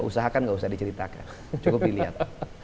usahakan nggak usah diceritakan cukup dilihat